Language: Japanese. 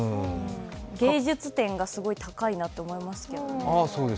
芸術点がすごい高いなと思います。